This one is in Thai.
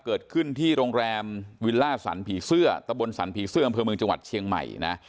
เกิดขึ้นที่โรงแรมวิลล่าสันผีเสื้อตะบนสรรผีเสื้ออำเภอเมืองจังหวัดเชียงใหม่นะ